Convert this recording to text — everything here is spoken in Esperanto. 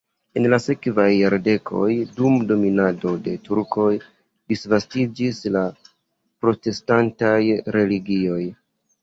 En la sekvaj jardekoj dum dominado de turkoj disvastiĝis la protestantaj religioj.